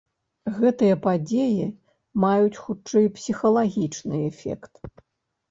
Гэтыя падзеі маюць хутчэй псіхалагічны эфект.